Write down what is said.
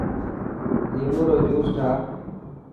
ليمون رو جوس ٺاهه.